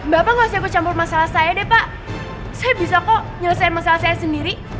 bapak nggak usah bercampur masalah saya deh pak saya bisa kok nyelesaikan masalah saya sendiri